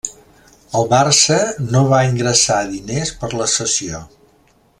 El Barça no va ingressar diners per la cessió.